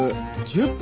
１０分！